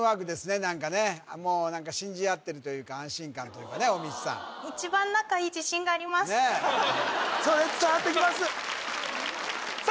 もう何か信じあってるというか安心感というかね大道さんそれ伝わってきますさあ